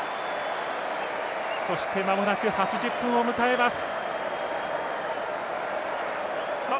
そしてまもなく８０分を迎えます。